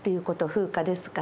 風化ですかね。